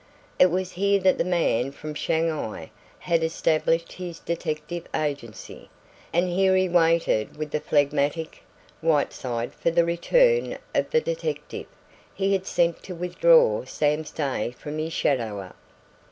It was here that the man from Shanghai had established his detective agency, and here he waited with the phlegmatic Whiteside for the return of the detective he had sent to withdraw Sam Stay from his shadower.